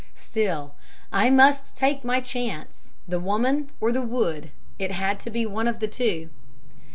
"Still, I must take my chance the woman or the wood it had to be one of the two.